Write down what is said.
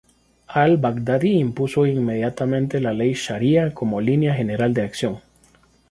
Al-Baghdadi impuso inmediatamente la ley sharía como línea general de acción.